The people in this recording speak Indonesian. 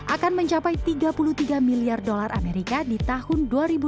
akan mencapai tiga puluh tiga miliar dolar amerika di tahun dua ribu dua puluh